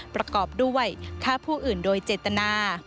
ประกอบด้วยฆ่าผู้อื่นโดยเจตนา